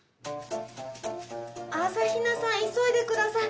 朝比奈さん急いでください！